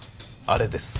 あれです。